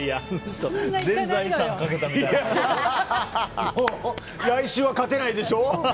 いやいやもう来週は勝てないでしょ。